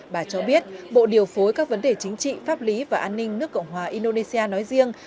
bà cho biết bộ điều phối các vấn đề chính trị pháp lý và an ninh nước cộng hòa indonesia nói riêng